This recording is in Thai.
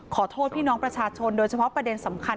ขอโทษพี่น้องประชาชนโดยเฉพาะประเด็นสำคัญ